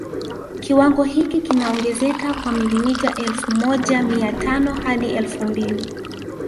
Kiwango hiki kinaongezeka kwa milimita elfu moja mia tano hadi elfu mbili